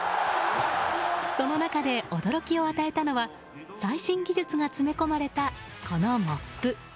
その中で、驚きを与えたのは最新技術が詰め込まれたこのモップ。